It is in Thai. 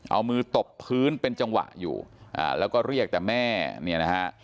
เอามือตบพื้นเป็นจังหวะอยู่อ่าแล้วก็เรียกแต่แม่เนี่ยนะฮะ